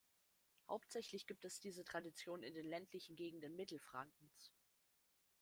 Hauptsächlich gibt es diese Tradition in den ländlichen Gegenden Mittelfrankens.